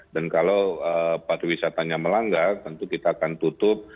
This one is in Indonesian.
dan kalau pariwisatanya melanggar tentu kita akan tutup